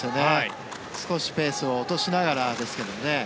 少しペースを落としながらですけどね。